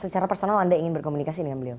secara personal anda ingin berkomunikasi dengan beliau